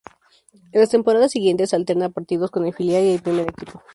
En las temporadas siguientes alterna partidos con el filial y el primer equipo.